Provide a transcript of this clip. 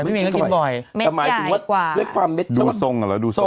กำไมไม่น่ากินบ่อยเม็ดใหญ่กว่า